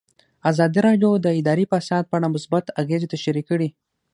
ازادي راډیو د اداري فساد په اړه مثبت اغېزې تشریح کړي.